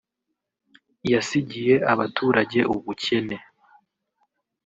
yasigiye abaturage ubukene